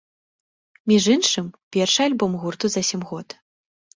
Між іншым, першы альбом гурту за сем год.